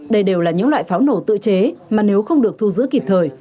đây đều là những loại pháo nổ tự chế mà nếu không được thu giữ kịp thời